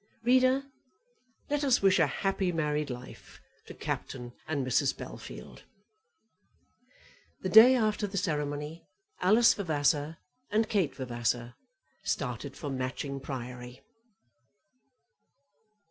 Reader, let us wish a happy married life to Captain and Mrs. Bellfield! The day after the ceremony Alice Vavasor and Kate Vavasor started for Matching Priory.